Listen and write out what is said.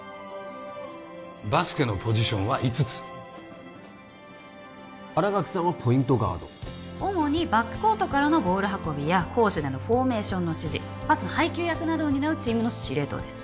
バスケのポジションは５つ新垣さんはポイントガード主にバックコートからのボール運びや攻守でのフォーメーションの指示パスの配給役などを担うチームの司令塔です